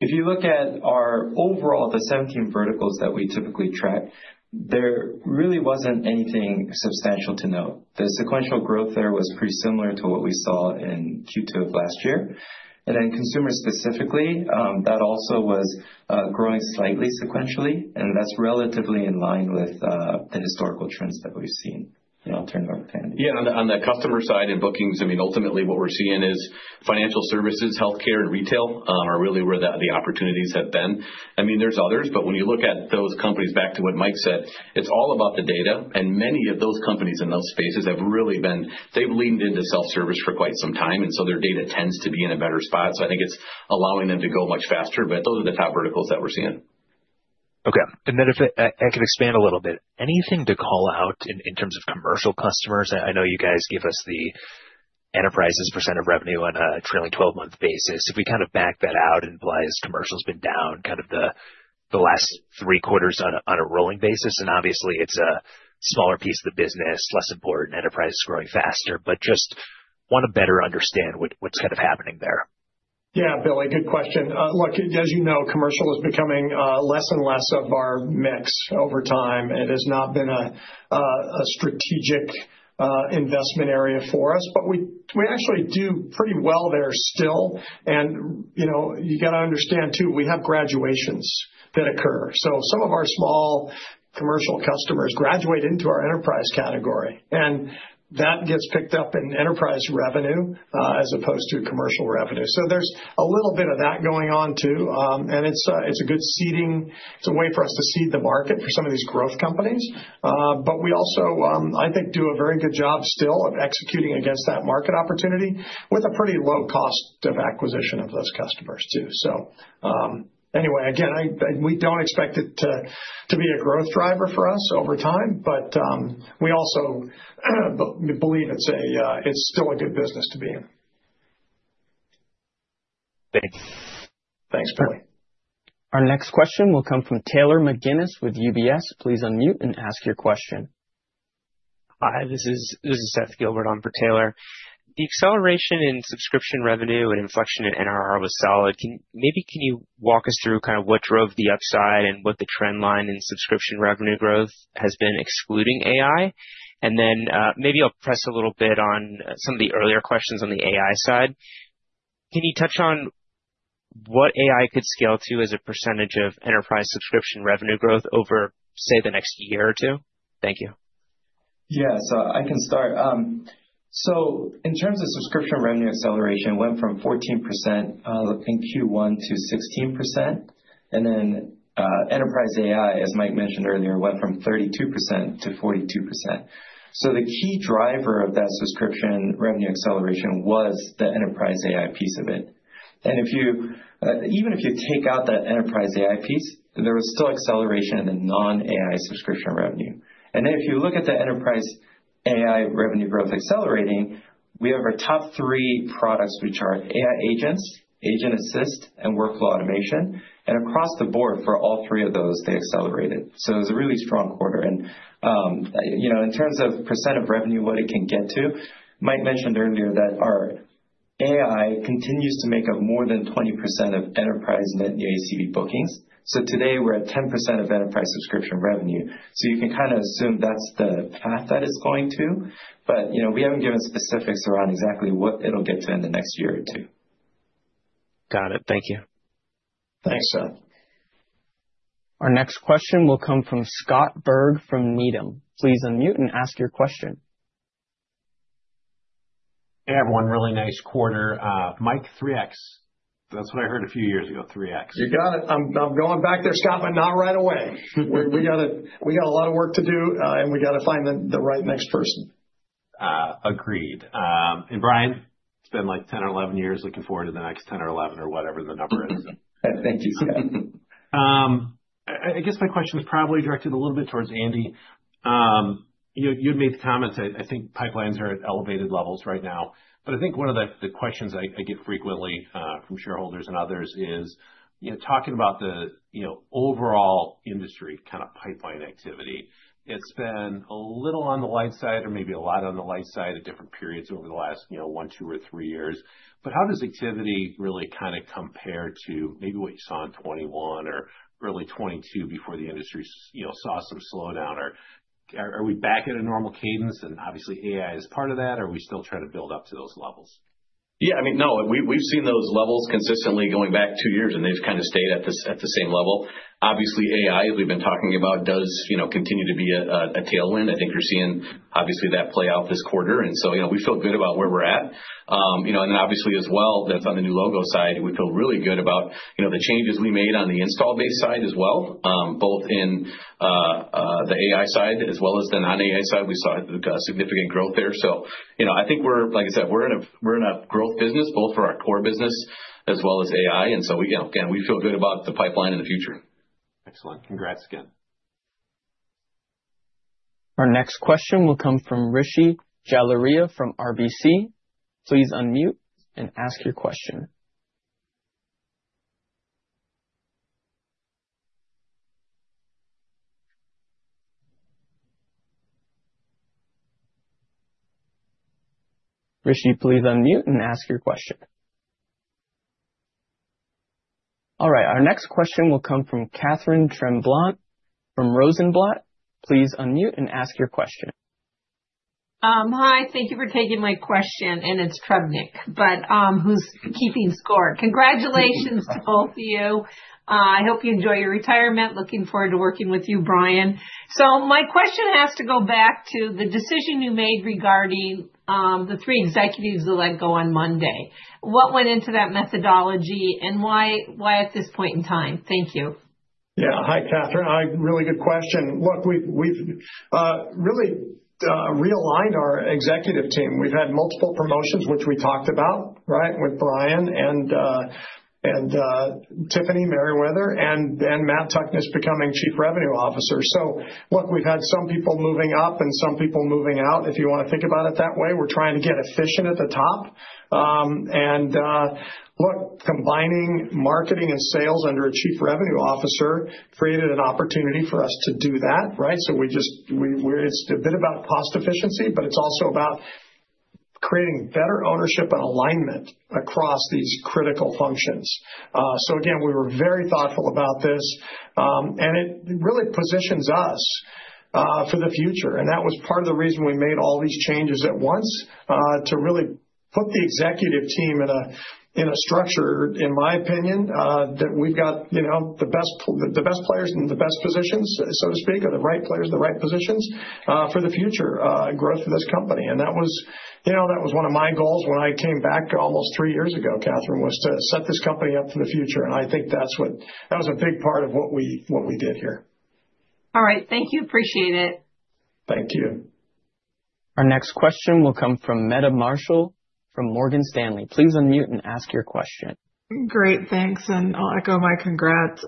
S2: If you look at our overall, the 17 verticals that we typically track, there really wasn't anything substantial to note. The sequential growth there was pretty similar to what we saw in Q2 of last year. Consumers specifically also were growing slightly sequentially and that's relatively in line with the historical trends that we've seen. I'll turn it over to Andy.
S3: Yeah, on the customer side, in bookings, what we're seeing is financial services, healthcare, and retail are really where the opportunities have been. There are others, but when you look at those companies, back to what Mike said, it's all about the data. Many of those companies in those spaces have really leaned into self service for quite some time, and their data tends to be in a better spot. I think it's allowing them to go much faster. Those are the top verticals that we're seeing.
S12: Okay. If I could expand a little bit, anything to call out in terms of commercial customers? I know you guys give us the enterprise percentage of revenue on a trailing 12 month basis. If we kind of back that out, it implies commercial's been down kind of the last three quarters on a rolling basis. Obviously, it's a smaller piece of the business, less important, enterprise is growing faster, but just want to better understand what's kind of happening there.
S2: Yeah, Billy, good question. Look, as you know, commercial is becoming less and less of our mix over time. It has not been a strategic investment area for us, but we actually do pretty well there still. You gotta understand too, we have graduations that occur. Some of our small commercial customers graduate into our enterprise category and that gets picked up in enterprise revenue as opposed to commercial revenue. There's a little bit of that going on too. It's a good seeding. It's a way for us to seed the market for some of these growth companies. We also, I think, do a very good job still of executing against that market opportunity with a pretty low cost of acquisition of those customers too. Anyway, again, we don't expect it to be a growth driver for us over time, but we also believe it's still a good business to be in.
S4: Thank you. Thanks.
S5: Our next question will come from Taylor McGinnis with UBS. Please unmute and ask your question.
S13: Hi, this is Seth Gilbert on for Taylor. The acceleration in subscription revenue and inflection in NRR was solid. Maybe can you walk us through kind of what drove the upside and what the trend line in subscription revenue growth has been, excluding AI. Then maybe I'll press a little bit on some of the earlier questions. On the AI side, can you touch on what AI could scale to as a percentage of enterprise subscription revenue growth over, say, the next year or two? Thank you. Yeah. I can start. In terms of subscription revenue acceleration, it went from 14% in Q1 to 16%. Enterprise AI, as Mike mentioned earlier, went from 32%-42%. The key driver of that subscription revenue acceleration was the enterprise AI piece of it. Even if you take out that enterprise AI piece, there was still acceleration in the non-AI subscription revenue.
S4: If you look at the enterprise AI revenue growth accelerating, we have our top three products, which are AI agents, agent assist, and workflow automation. Across the board for all three of those, they accelerated. It was a really strong quarter. In terms of percent of revenue, what it can get to, Mike mentioned earlier that our AI continues to make up more than 20% of enterprise net new ACV bookings. Today we're at 10% of enterprise subscription revenue. You can kind of assume that's the path that it's going to, but we haven't given specifics around exactly what it'll get to in the next year or two.
S13: Got it. Thank you.
S4: Thanks, Seth.
S5: Our next question will come from Scott Berg from Needham. Please unmute and ask your question.
S14: Everyone, really nice quarter, Mike, 3x. That's what I heard a few years ago, 3x.
S2: You got it. I'm going back there, Scott, but not right away. We got a lot of work to do, and we got to find the right next person.
S14: Agreed. Bryan, it's been like 10 or 11 years. Looking forward to the next 10 or 11, or whatever the number is.
S4: Thank you, Scott.
S14: I guess my question is probably directed a little bit towards Andy, you'd made the comments. I think pipelines are at elevated levels right now. I think one of the questions I get frequently from shareholders and others. Is talking about the overall industry kind of pipeline activity. It's been a little on the light side or maybe a lot on the light side at different periods over the last one, two or three years. How does activity really kind of compare to maybe what you saw in 2021 or early 2022 before the industry saw some slowdown? Are we back at a normal cadence? Obviously, AI is part of that. Are we still trying to build up to those levels?
S3: Yeah, I mean, no, we've seen those levels consistently going back two years, and they've kind of stayed at the same level. Obviously, AI, as we've been talking about, does continue to be a tailwind. I think you're seeing obviously that play out this quarter. We feel good about where we're at. Obviously as well, that's on the new logo side. We feel really good about, you know, the changes we made on the install base side as well, both in the AI side as well as the non-AI side. We saw significant growth there. I think we're, like I said, we're in a growth business, both for our core business as well as AI. We again, we feel good about the pipeline in the future.
S14: Excellent. Congrats again.
S5: Our next question will come from Rishi Jaluria from RBC. Please unmute and ask your question. Rishi, please unmute and ask your question. All right, our next question will come from Catharine Trebnick from Rosenblatt. Please unmute and ask your question.
S15: Hi, thank you for taking my question. It's Trebnick, but who's keeping score? Congratulations to both of you. I hope you enjoy your retirement. Looking forward to working with you, Bryan. My question has to go back to the decision you made regarding the three executives that let go on Monday. What went into that methodology and why at this point in time? Thank you.
S2: Yeah, hi, Catharin. Really good question. Look, we've really realigned our executive team. We've had multiple promotions, which we talked about, right. With Bryan and Tiffany Meriwether and Matt Tuckness becoming Chief Revenue Officer, we've had some people moving up and some people moving out, if you want to think about it that way. We're trying to get efficient at the top. Combining marketing and sales under a Chief Revenue Officer created an opportunity for us to do that. Right. It's a bit about cost efficiency, but it's also about creating better ownership and alignment across these critical functions. We were very thoughtful about this, and it really positions us for the future. That was part of the reason we made all these changes at once, to really put the executive team in a structure, in my opinion, that we've got the best players in the best positions, so to speak, or the right players in the right positions for the future growth for this company. That was one of my goals when I came back almost three years ago, Catharine, was to set this company up for the future. I think that was a big part of what we did here.
S15: All right, thank you. Appreciate it.
S4: Thank you.
S5: Our next question will come from Meta Marshall from Morgan Stanley. Please unmute and ask your question.
S16: Great, thanks. I'll echo my congrats.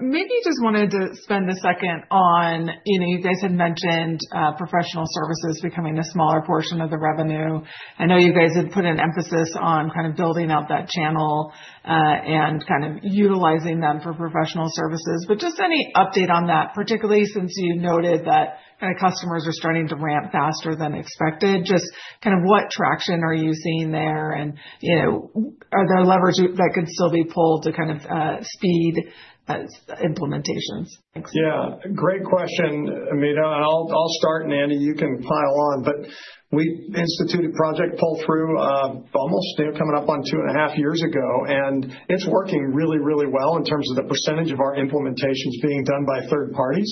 S16: Maybe just wanted to spend a second on, you know, you guys had mentioned professional services becoming a smaller portion of the revenue. I know you guys have put an emphasis on kind of building out that channel and kind of utilizing them for professional services, but just any update on that, particularly since you noted that customers are starting to ramp faster than expected. Just kind of what traction are you seeing there? Are there levers that could still be pulled to kind of speed implementations?
S2: Yeah, great question, Amit, and I'll start. Nanny, you can pile on. We instituted Project Pull Through almost coming up on two and a half years ago and it's working really, really well in terms of the percentage of our implementations being done by third parties.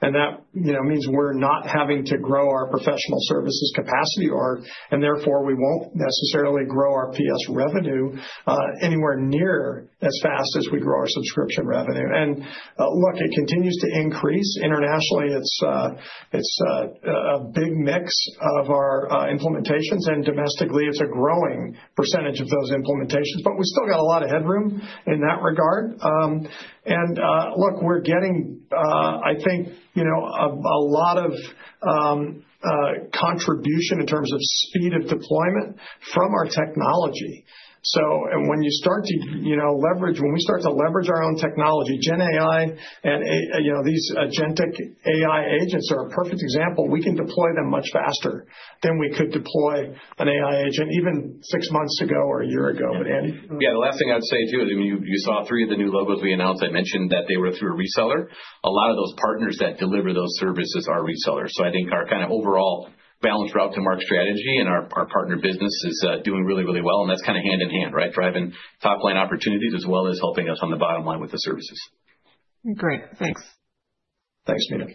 S2: That means we're not having to grow our professional services capacity and therefore we won't necessarily grow our PS revenue anywhere near as fast as we grow our subscription revenue. It continues to increase internationally; it's a big mix of our implementations and domestically it's a growing percentage of those implementations. We still got a lot of headroom in that regard. We're getting, I think, a lot of contribution in terms of speed of deployment from our technology. When you start to leverage, when we start to leverage our own technology, Gen AI and these Agentic AI agents are a perfect example, we can deploy them much faster than we could deploy an AI agent even six months ago or a year ago. Andy.
S3: Yeah, the last thing I'd say too is you saw three of the new logos we announced. I mentioned that they were through a reseller. A lot of those partners that deliver those services are resellers. I think our kind of overall balanced route to market strategy and our partner business is doing really, really well. That's kind of hand in hand, right, driving top line opportunities as well as helping us on the bottom line with the services.
S16: Great, thanks.
S4: Thanks, Meta.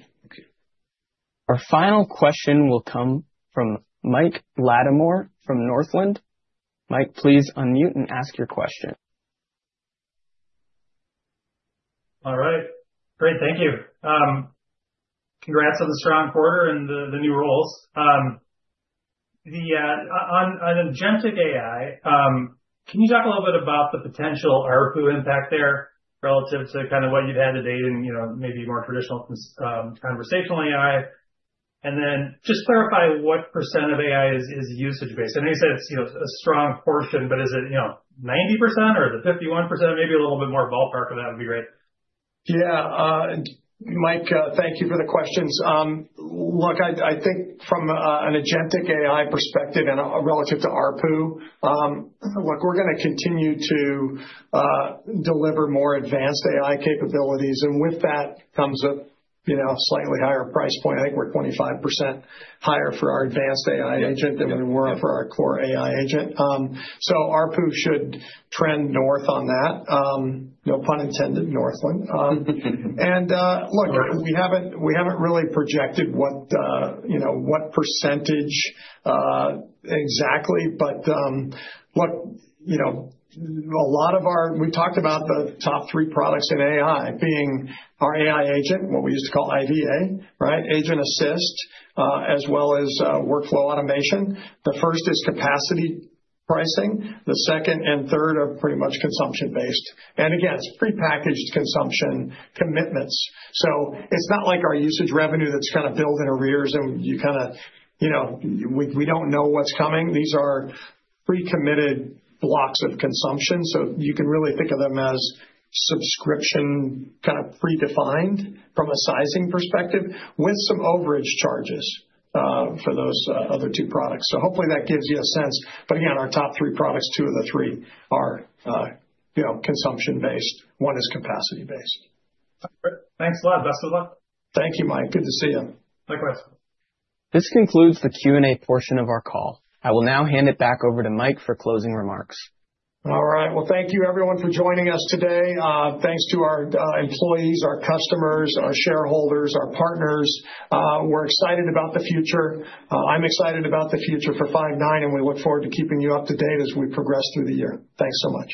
S5: Our final question will come from Michael James Latimore from Northland Capital Markets. Mike, please unmute and ask your question.
S17: All right, great, thank you. Congrats on the strong quarter and the new rules. On Agentic AI, can you talk a little bit about the potential ARPU impact there relative to kind of what you've had to date and maybe more traditional conversational AI, and then just clarify what percent of AI is usage based? I know you said it's a strong portion, but is it 90% or the 51%? Maybe a little bit more ballpark of that would be great.
S2: Yeah. Mike, thank you for the questions. Look, I think from an Agentic AI perspective and relative to ARPU, look, we're going to continue to deliver more advanced AI capabilities, and with that comes a slightly higher price point. I think we're 25% higher for our advanced AI agent than we were for our core AI agent, so ARPU should trend north on that. No pun intended, Northland. We haven't really projected what percentage exactly. A lot of our, we talked about the top three products in AI being our AI agent, what we used to call IVA.Right. Agent Assist as well as workflow automation. The first is capacity pricing. The second and third are pretty much consumption based, and again, it's prepackaged consumption commitments. It's not like our usage revenue that's built in arrears and you know, we don't know what's coming. These are pre-committed blocks of consumption. You can really think of them as subscription, kind of predefined from a sizing perspective, with some overage charges for those other two products. Hopefully that gives you a sense. Again, our top three products, two of the three are consumption-based, one is capacity-based.
S17: Thanks a lot. Best of luck.
S2: Thank you, Mike. Good to see you.
S17: Likewise.
S5: This concludes the Q&A portion of our call. I will now hand it back over to Mike for closing remarks.
S2: All right, thank you everyone for joining us today. Thanks to our employees, our customers, our shareholders, and our partners. We're excited about the future. I'm excited about the future for Five9, and we look forward to keeping you up to date as we progress through the year. Thanks so much.